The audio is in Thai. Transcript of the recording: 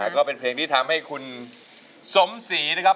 ก็เป็นเพลงที่ทำให้คุณสมศรีนะครับ